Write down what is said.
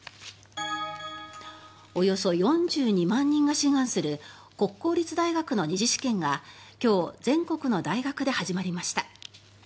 およそ４２万人が志願する国公立大学の２次試験が今日、全国の大学で始まりました。